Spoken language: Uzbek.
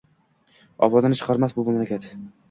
Ovozini chiqarmas bu mamlakat